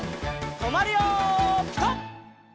とまるよピタ！